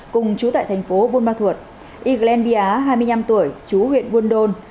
cùng chú tại thành phố bôn ba thuột y glen bia hai mươi năm tuổi chú huyện quân đôn